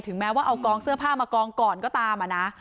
แม้ว่าเอากองเสื้อผ้ามากองก่อนก็ตามอะนะ